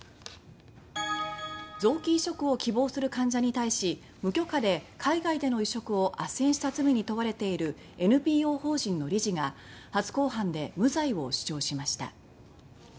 臓器移植を希望する患者に対し無許可で海外での移植をあっせんした罪に問われているＮＰＯ法人の理事が初公判で無罪を主張しました。